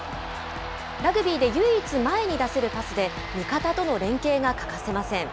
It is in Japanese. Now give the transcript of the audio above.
ラグビーで唯一、前に出せるパスで、味方との連係が欠かせません。